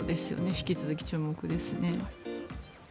引き続き注目ですね。